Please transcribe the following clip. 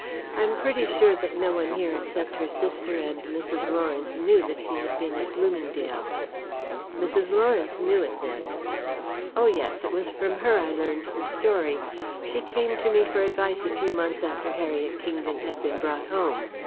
I'm pretty sure that no one here except her sister and Mrs. Lawrence knew that she had been at Bloomingdale." "Mrs. Lawrence knew it, then?" "Oh, yes; it was from her I learned the story. She came to me for advice a few months after Harriet Kingdon had been brought home.